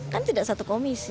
kan tidak satu komisi